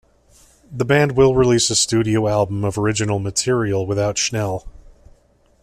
The band will release a studio album of original material without Schnell.